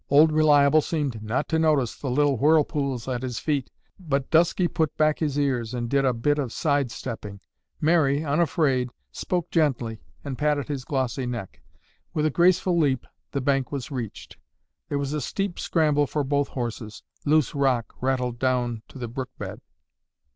Old Reliable seemed not to notice the little whirlpools at his feet, but Dusky put back his ears and did a bit of side stepping. Mary, unafraid, spoke gently and patted his glossy neck. With a graceful leap, the bank was reached. There was a steep scramble for both horses; loose rock rattled down to the brook bed.